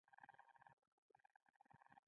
قلم خاوند پوهېږي.